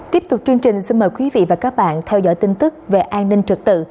tiếp tục chương trình xin mời quý vị và các bạn theo dõi tin tức về an ninh trật tự